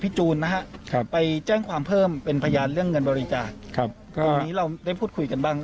พี่จูนเขาบอกแบบว่าคือทางเหมือนว่าป้าแตนเหมือนว่า